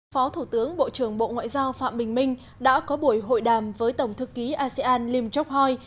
phó thủ tướng bộ trưởng bộ ngoại giao phạm bình minh đã có buổi hội đàm với tổng thư ký asean lim chok hoi